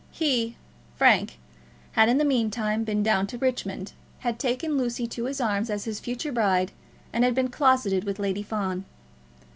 He, Frank, had, in the meantime, been down to Richmond, had taken Lucy to his arms as his future bride, and had been closeted with Lady Fawn.